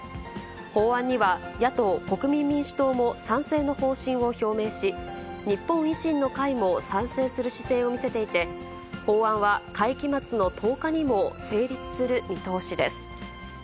法案には、野党・国民民主党も賛成の方針を表明し、日本維新の会も賛成する姿勢を見せていて、法案は会期末の１０日にも成立する見通しです。